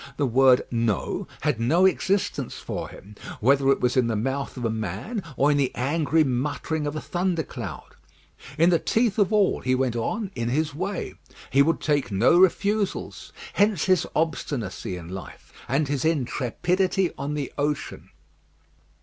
The word "no" had no existence for him, whether it was in the mouth of a man or in the angry muttering of a thunder cloud. In the teeth of all he went on in his way. He would take no refusals. Hence his obstinacy in life, and his intrepidity on the ocean.